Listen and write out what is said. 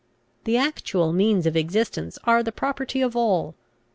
The actual means of existence are the property of all.